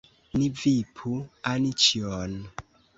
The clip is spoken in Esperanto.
Ni vipu Anĉjon!